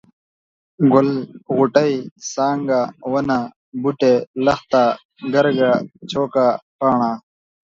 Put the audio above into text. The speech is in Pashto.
ګل، غوټۍ، څانګه ، ونه ، بوټی، لښته ، ګرګه ، چوکه ، پاڼه،